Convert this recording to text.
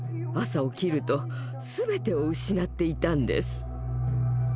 朝起きると全てを失っていたんです。